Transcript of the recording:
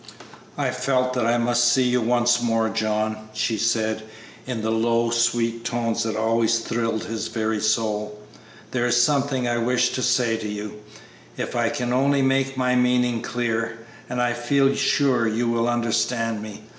"I felt that I must see you once more, John," she said, in the low, sweet tones that always thrilled his very soul; "there is something I wish to say to you, if I can only make my meaning clear, and I feel sure you will understand me.